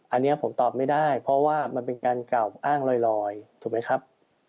อันนี้ผมตอบไม่ได้เพราะว่ามันเป็นการกล่าวอ้างลอยถูกไหมครับ